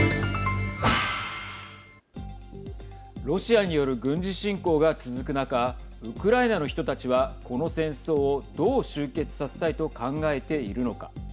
ロシアによる軍事侵攻が続く中ウクライナの人たちはこの戦争をどう終結させたいと考えているのか。